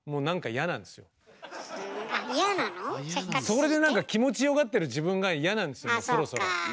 それで何か気持ちよがってる自分が嫌なんですよそろそろ。